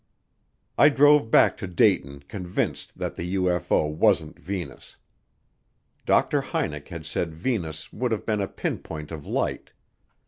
I drove back to Dayton convinced that the UFO wasn't Venus. Dr. Hynek had said Venus would have been a pinpoint of light.